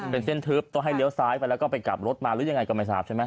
เป็นเส้นทึบต้องให้เลี้ยวซ้ายไปแล้วก็ไปกลับรถมาหรือยังไงก็ไม่ทราบใช่ไหม